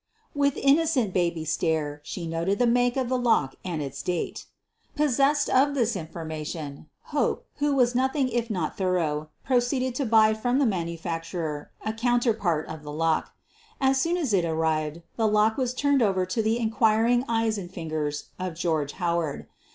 With innocent baby stare she noted the make of the lock and its date. Possessed of this information, Hope, who was nothing if not thorough, proceeded to buy from the manufacturer a counterpart of the lock. As soon as it arrived the lock was turned over to the inquiring eyes and fingers of George Howard.